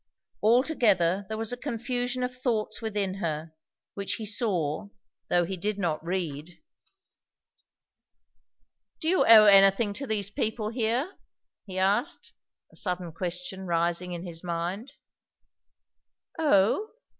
Altogether there was a confusion of thoughts within her, which he saw, though he did not read. "Do you owe anything to these people here?" he asked, a sudden question rising in his mind. "Owe?